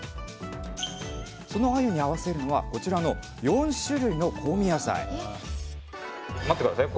そのあゆに合わせるのはこちらの４種類の香味野菜待って下さい。